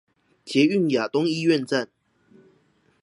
捷運亞東醫院站